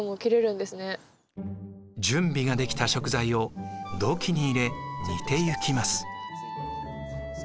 準備ができた食材を土器に入れ煮ていきます。